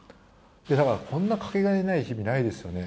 だから、こんなかけがえない日々ないですよね。